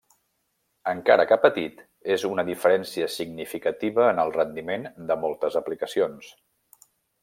Encara que petit, és una diferència significativa en el rendiment de moltes aplicacions.